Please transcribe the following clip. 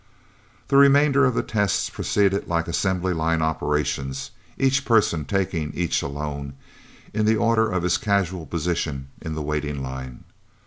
The remainder of the tests proceeded like assembly line operations, each person taking each alone, in the order of his casual position in the waiting line.